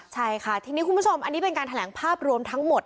ใช่ค่ะทีนี้คุณผู้ชมอันนี้เป็นการแถลงภาพรวมทั้งหมด